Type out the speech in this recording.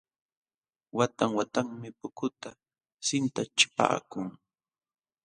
Watan watanmi pukuta sintachipaakun.